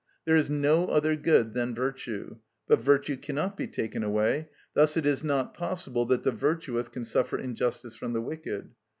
There is no other good than virtue: but virtue cannot be taken away: thus it is not possible that the virtuous can suffer injustice from the wicked.